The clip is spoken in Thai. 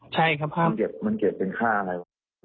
ใช่ครับครับมันเก็บมันเก็บเป็นค่าอะไรหรอ